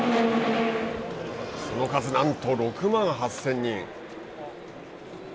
その数なんと６万８０００人。